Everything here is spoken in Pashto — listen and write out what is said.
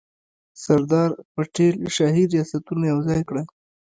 سردار پټیل شاهي ریاستونه یوځای کړل.